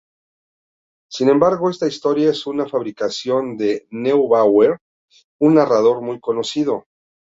Sin embargo, esta historia es una fabricación de Neubauer, un narrador muy conocido.